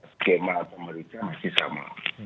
skema pemerintah masih sama